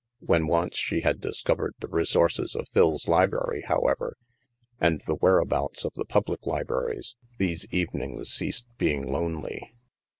When once she had discovered the resources of Phil's library, however, and the where abouts of the public libraries, these evenings ceased being lonely.